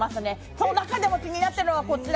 その中でも気になっていますのが、こちら。